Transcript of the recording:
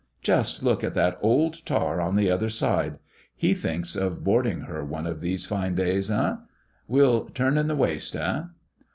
Just look at that old tar on the other side. He thinks of boarding her one of these fine days, eh! Well turned in the waist, eh?'"